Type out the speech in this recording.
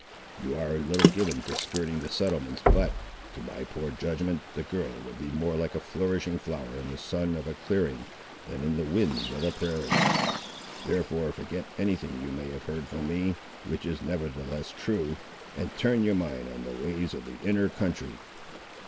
You are a little given to skirting the settlements but, to my poor judgment, the girl would be more like a flourishing flower in the sun of a clearing, than in the winds of a prairie. Therefore forget any thing you may have heard from me, which is nevertheless true, and turn your mind on the ways of the inner country."